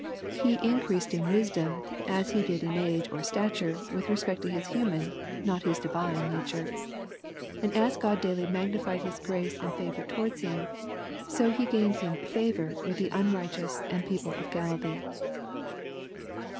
He increased in wisdom, as He did in age or stature, with respect to His human, not His divine nature. And as Grod daily magnified His grace and favor towards him, so He gained Him favor with the unrighteous and people of Galilee."